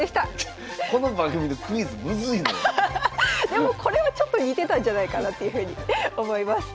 でもこれもちょっと似てたんじゃないかなっていうふうに思います。